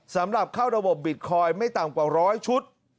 สำหรับเข้าระบบบิตคอยน์ไม่ต่ำกว่าร้อยชุด